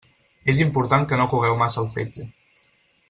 És important que no cogueu massa el fetge.